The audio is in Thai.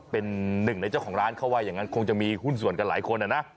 เป็นหนึ่งในเจ้าของร้านเขาว่าอย่างนั้นคงจะมีหุ้นส่วนกันหลายคนนะ